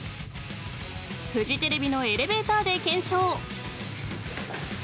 ［フジテレビのエレベーターで検証］